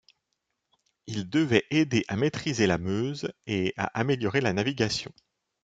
Ils devaient aider à maîtriser la Meuse et à améliorer la navigation.